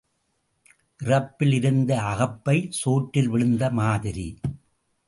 இறப்பில் இருந்த அகப்பை சோற்றில் விழுந்த மாதிரி.